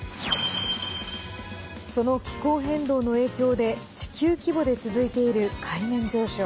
その気候変動の影響で地球規模で続いている海面上昇。